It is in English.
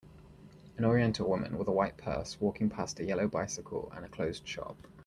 An oriental woman with a white purse walking past a yellow bicycle and a closed shop.